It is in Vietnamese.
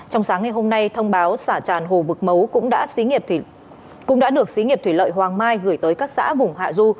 hôm nay thông báo xả tràn hồ vực mấu cũng đã được sĩ nghiệp thủy lợi hoàng mai gửi tới các xã vùng hạ du